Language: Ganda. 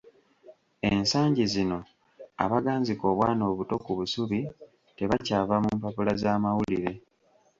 Ensangi zino abaganzika obwana obuto ku busubi tebakyava mu mpapula za mawulire.